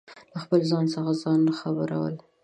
له خپل ځان څخه ځان خبرو ل